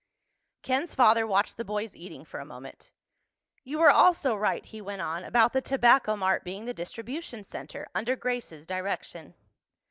Ken's father watched the boys eating for a moment. "You were also right," he went on, "about the Tobacco Mart being the distribution center, under Grace's direction.